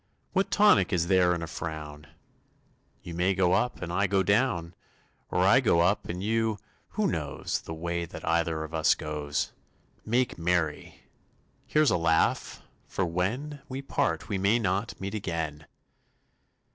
What tonic is there in a frown? You may go up and I go down, Or I go up and you who knows The way that either of us goes? Make merry! Here's a laugh, for when We part we may not meet again!